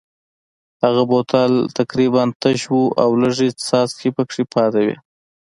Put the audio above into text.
هغه بوتل تقریبا تش و او لږې څاڅکې پکې پاتې وې.